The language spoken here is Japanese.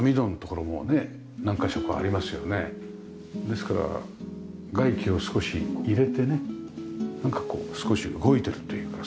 ですから外気を少し入れてねなんかこう少し動いてるというか。